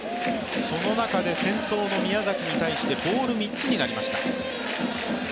その中で先頭の宮崎に対してボール３つになりました。